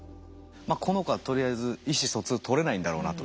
まあこの子はとりあえず意思疎通とれないんだろうなと。